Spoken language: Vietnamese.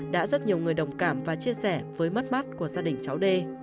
đã rất nhiều người đồng cảm và chia sẻ với mất mát của gia đình cháu đê